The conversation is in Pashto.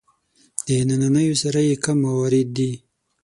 د نننیو سره یې کم موارد دي.